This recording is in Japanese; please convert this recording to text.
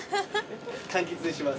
かんきつにします。